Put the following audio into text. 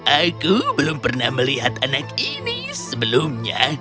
aku belum pernah melihat anak ini sebelumnya